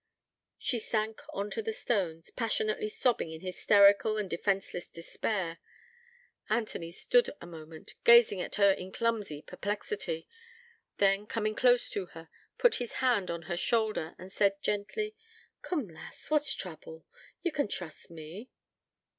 She sank on to the stones, passionately sobbing in hysterical and defenceless despair. Anthony stood a moment, gazing at her in clumsy perplexity: then, coming close to her, put his hand on her shoulder, and said gently: 'Coom, lass, what's trouble? Ye can trust me.'